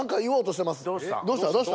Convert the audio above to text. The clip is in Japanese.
どうした？